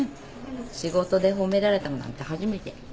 仕事で褒められたのなんて初めて。